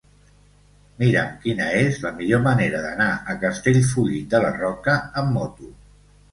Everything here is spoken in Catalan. Mira'm quina és la millor manera d'anar a Castellfollit de la Roca amb moto.